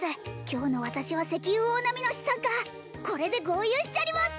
今日の私は石油王並みの資産家これで豪遊しちゃります！